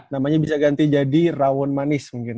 namanya bisa ganti jadi rawon manis mungkin